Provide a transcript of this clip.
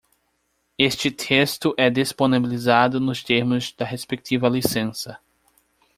Este texto é disponibilizado nos termos da respectiva licença.